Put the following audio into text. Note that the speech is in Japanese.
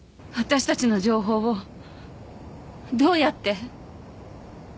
私たちの情報をどうやって？